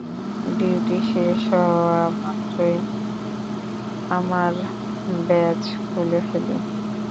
Duty শেষ হওয়া মাত্রই, আমার ব্যাজ খুলে ফেলি।